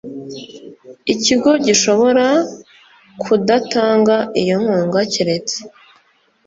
ikigo gishobora kudatanga iyo nkunga keretse